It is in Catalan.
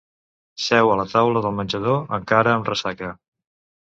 Seu a la taula del menjador, encara amb ressaca.